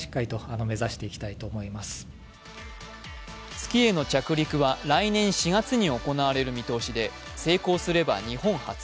月への着陸は来年４月に行われる見通しで成功すれば日本初。